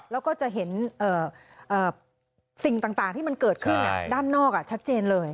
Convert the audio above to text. แล้วก็จะเห็นสิ่งต่างที่มันเกิดขึ้นด้านนอกชัดเจนเลย